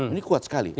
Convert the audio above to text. ini kuat sekali